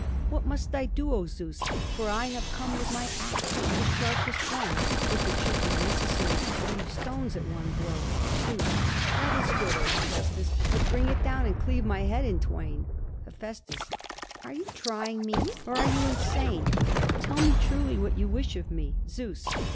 _ "What must I do, O Zeus? For I have come with my ax, the sharpest one, if it should be necessary to cleave stones at one blow." Zeus. "That is good, O Hephæstus, but bring it down and cleave my head in twain." Heph. "Are you trying me or are you insane? Tell me truly what you wish of me." _Zeus.